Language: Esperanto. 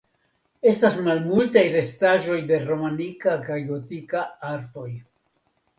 Estas malmultaj restaĵoj de romanika kaj gotika artoj.